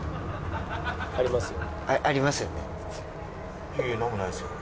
「ありますよね？」。